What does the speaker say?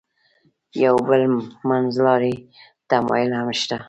یو بل منځلاری تمایل هم شته.